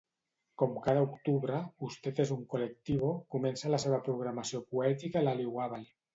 Com cada octubre, Usted es un Colectivo comença la seva programació poètica a l'Heliogàbal.